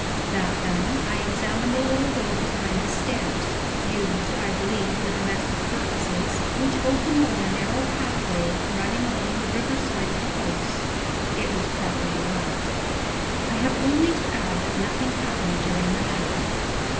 That done, I examined a little door behind the stairs (used I believe for domestic purposes) which opened on a narrow pathway, running along the river side of the house. It was properly locked. I have only to add that nothing happened during the night.